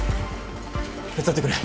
手伝ってくれ。